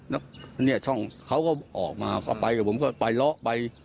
แล้วเนี่ยช่องเขาก็ออกมาก็ไปกับผมก็ไปเลาะไป